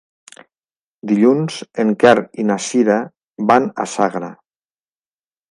Dilluns en Quer i na Sira van a Sagra.